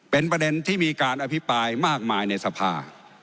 เป็นประเด็นที่มีการอภิปรายมากมายในสภา